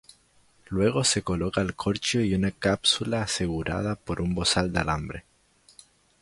Luego se coloca el corcho y una cápsula asegurada por un bozal de alambre.